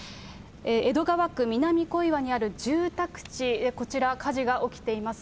江戸川区南小岩にある住宅地、こちらで火事が起きています。